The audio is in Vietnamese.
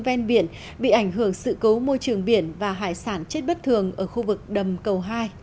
ven biển bị ảnh hưởng sự cố môi trường biển và hải sản chết bất thường ở khu vực đầm cầu hai